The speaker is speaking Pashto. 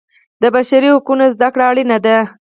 د بشري حقونو زده کړه اړینه ده.